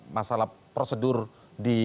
masalah prosedur di